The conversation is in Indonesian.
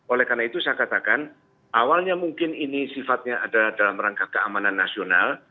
oleh karena itu saya katakan awalnya mungkin ini sifatnya adalah dalam rangka keamanan nasional